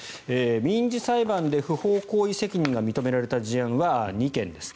民事裁判で不法行為責任が認められた事案は２件です。